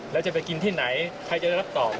แล้วจะไปกินที่ไหนใครจะได้รับตอบ